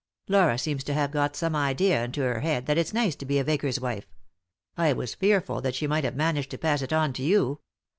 Laura seems to have got some idea into her head that ft's nice to be a vicar's wife ; I was fearful that she might have managed to pass it on to you.